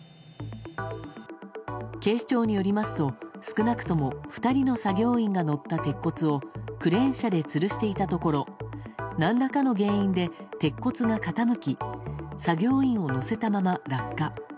警視庁によりますと、少なくとも２人の作業員が乗った鉄骨をクレーン車でつるしていたところ何らかの原因で鉄骨が傾き作業員を乗せたまま落下。